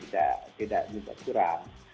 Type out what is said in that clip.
tidak juga curam